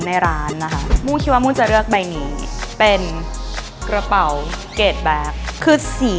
ในร้านนะคะมุ่งคิดว่ามุ่งจะเลือกใบนี้เป็นกระเป๋าเกรดแบ็คคือสี